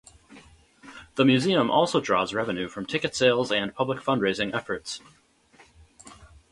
The museum also draws revenue from ticket sales and public fundraising efforts.